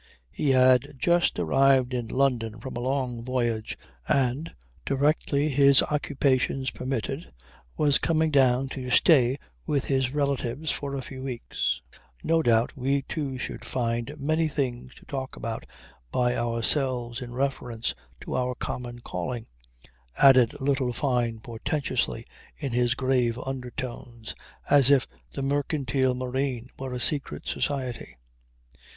He had just arrived in London from a long voyage, and, directly his occupations permitted, was coming down to stay with his relatives for a few weeks. No doubt we two should find many things to talk about by ourselves in reference to our common calling, added little Fyne portentously in his grave undertones, as if the Mercantile Marine were a secret society.